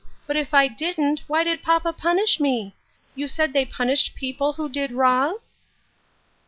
But if I didn't, why did papa punish me ? You said they punished people who did wrong